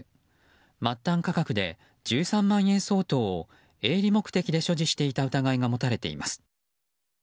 末端価格で１３万円相当を営利目的で所持していた疑いが持たれています。